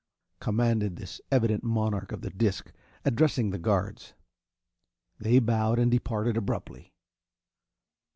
"Ao chaa!" commanded this evident monarch of the disc, addressing the guards. They bowed and departed, abruptly.